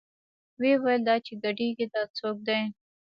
ويې ويل دا چې ګډېګي دا سوک دې.